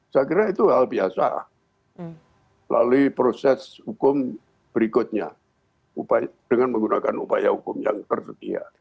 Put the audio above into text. saya kira itu hal biasa melalui proses hukum berikutnya dengan menggunakan upaya hukum yang tersedia